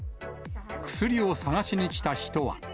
薬を探しに来た人は。